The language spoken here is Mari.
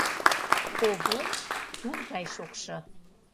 — Овой тул гае шокшо!